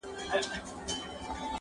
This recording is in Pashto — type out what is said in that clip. پر نرۍ لښته زنګېده، اخیر پرېشانه سوله!.